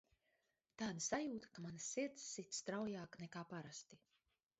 Tāda sajūta, ka mana sirds sit straujāk nekā parasti.